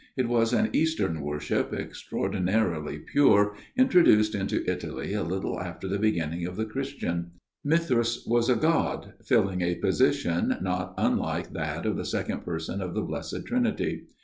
It was an Eastern worship, extraordinarily pure, introduced into Italy a little after the beginning of the Christian. Mithras was a god, filling a position not unlike that of the Second Person of the Blessed Trinity.